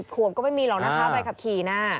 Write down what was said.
๑๐ขวบก็ไม่มีหรอกนะครับไปขับขี่นะ